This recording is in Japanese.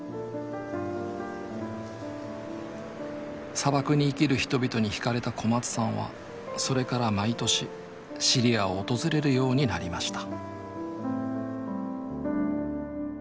砂漠に生きる人々に惹かれた小松さんはそれから毎年シリアを訪れるようになりました